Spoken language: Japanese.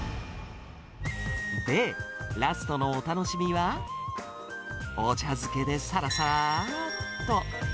で、ラストのお楽しみは、お茶漬けでさらさらっと。